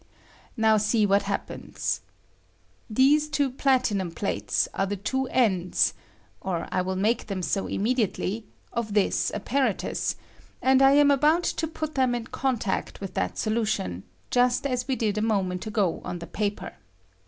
■ Now see what happens. These two platinum plates are the two ends (or I will make them so immediately) of this apparatus ; and I am about to put them in contact with that solution, just I as we did a moment ago on the paper.